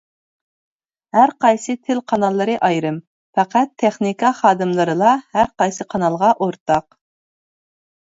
ھەر قايسى تىل قاناللىرى ئايرىم، پەقەت تېخنىكا خادىملىرىلا ھەر قايسى قانالغا ئورتاق.